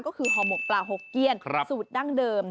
ก็คือห่อหมกปลาหกเกี้ยนสูตรดั้งเดิม